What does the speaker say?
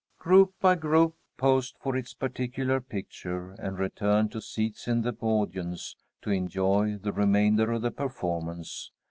Group by group posed for its particular picture and returned to seats in the audience to enjoy the remainder of the performance.